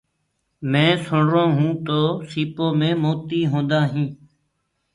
مينٚ سُڻرو هونٚ تو سيٚپو مي موتي هوندآ هينٚ۔